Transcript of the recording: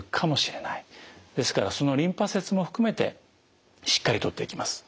ですからそのリンパ節も含めてしっかり取っていきます。